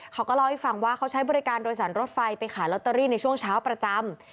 เขาก็เล่าให้ฟังว่าเขาใช้บริการโดยสารรถไฟไปขายลอตเตอรี่ในช่วงเช้าประจำ